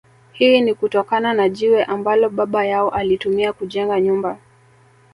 Hii ni kutokana na jiwe ambalo baba yao alitumia kujenga nyumba